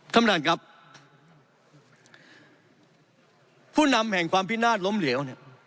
ท่านประธานครับผู้นำแห่งความพินาศล้มเหลวเนี่ย